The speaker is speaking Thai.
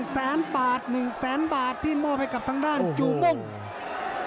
แสนบาท๑แสนบาทที่มอบให้กับทางด้านจูม่ง